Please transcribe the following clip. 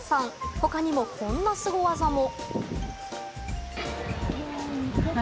他にもこんなスゴ技も。